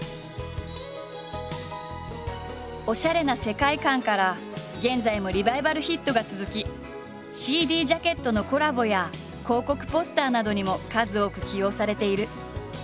おしゃれな世界観から現在もリバイバルヒットが続きＣＤジャケットのコラボや広告ポスターなどにも数多く起用されている。